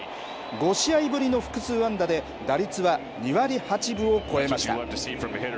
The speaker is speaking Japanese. ５試合ぶりの複数安打で、打率は２割８分を超えました。